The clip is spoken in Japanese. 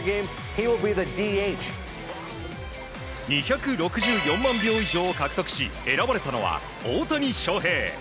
２６４万票以上を獲得し選ばれたのは、大谷翔平。